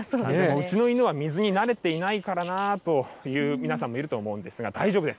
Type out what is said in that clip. うちの犬は水に慣れていないからなという皆さんもいると思うんですが、大丈夫です。